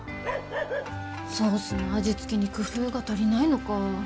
ソースの味付けに工夫が足りないのか。